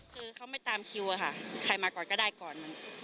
คือเขาไม่ตามคิวอะค่ะใครมาก่อนก็ได้ก่อน